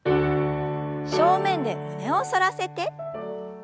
正面で胸を反らせて。